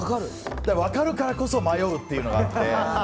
分かるからこそ迷うっていうのがあって。